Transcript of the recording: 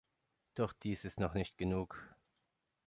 Doch dies ist noch nicht genug.